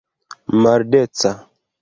maldeca